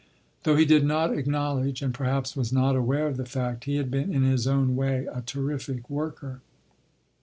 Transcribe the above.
Though he did not acknowledge, and perhaps was not aware of the fact, he had been in his own way a terrific worker.